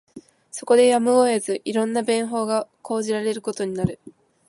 そこでやむを得ず、色んな便法が講じられることになる